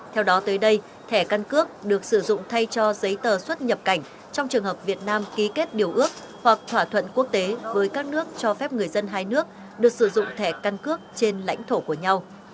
theo đó tới đây thẻ căn cước được sử dụng thay cho giấy tờ xuất nhập cảnh trong trường hợp việt nam ký kết điều ước hoặc thỏa thuận quốc tế với các nước cho phép người dân hai nước được sử dụng thẻ căn cước trên lãnh thổ của nhau